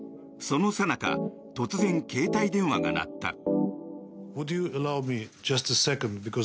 そのさなか突然、携帯電話が鳴った。